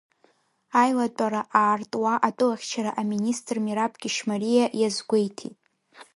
Аилатәара аартуа атәылахьчара аминистр Мираб Кьышьмариа иазгәеиҭеит…